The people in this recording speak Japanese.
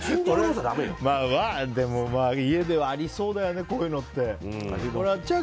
でもまあ、家ではありそうだよね、こういうのって。